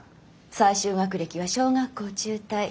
最終学歴は小学校中退。